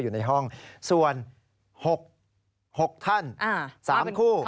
มืดเรือ